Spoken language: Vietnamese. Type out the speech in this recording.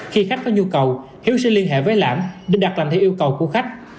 khi khách có nhu cầu hiếu sẽ liên hệ với lãm để đặt làm theo yêu cầu của khách